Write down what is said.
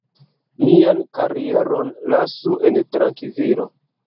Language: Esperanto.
Mian karieron lasu en trankvilo.